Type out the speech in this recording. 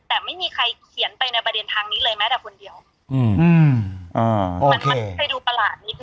แต่ไม่มีใครเขียนไปในประเด็นทางนี้เลยแม้แต่คนเดียวอืมอ่ามันมันให้ดูประหลาดนิดนึ